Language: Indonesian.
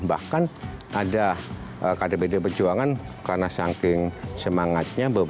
bahkan ada kdpd perjuangan karena saking semangatnya